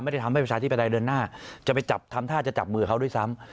ไม่ได้ทำให้ประชาชนิดใดเดินหน้าจะไปจับทำท่าจะจับมือเขาด้วยซ้ำ